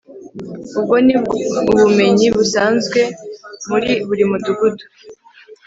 Ubwo ni ubumenyi busanzwe muri buri mudugudu